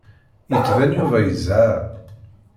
Yettban Yuba yezha.